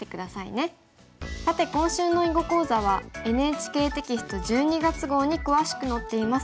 さて今週の囲碁講座はＮＨＫテキスト１２月号に詳しく載っています。